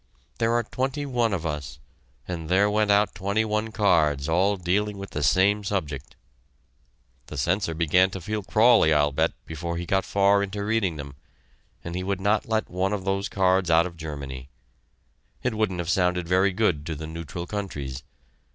There are twenty one of us, and there went out twenty one cards all dealing with the same subject. The censor began to feel crawly, I'll bet, before he got far into reading them, and he would not let one of those cards out of Germany. It wouldn't have sounded very good to the neutral countries.